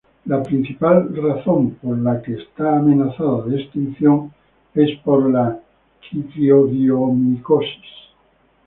La principal razón por la que está amenazada de extinción es por la quitridiomicosis.